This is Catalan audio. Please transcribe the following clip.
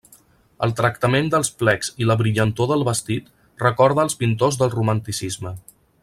El tractament dels plecs i la brillantor del vestit recorda els pintors del romanticisme.